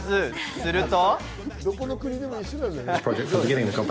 すると。